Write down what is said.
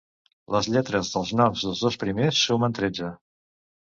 Les lletres dels noms dels dos primers sumen tretze.